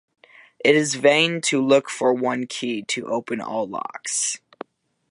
It is vain to look for one key to open all locks.